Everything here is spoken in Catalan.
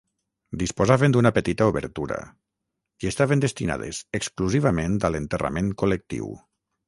Disposaven d'una petita obertura, i estaven destinades exclusivament a l'enterrament col·lectiu.